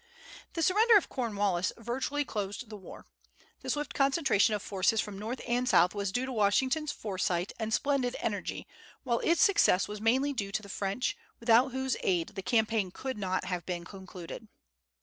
The surrender of Cornwallis virtually closed the war. The swift concentration of forces from North and South was due to Washington's foresight and splendid energy, while its success was mainly due to the French, without whose aid the campaign could not have been concluded.